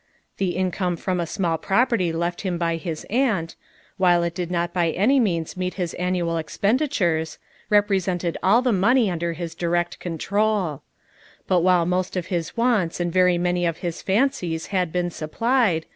The income from a small property left him by his aunt— while it did not by any means meet his annual expendi tures — represented all the money under his di rect control But while most of his wants and very many of his fancies had been supplied.